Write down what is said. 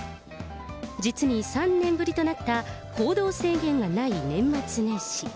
実に３年ぶりとなった行動制限がない年末年始。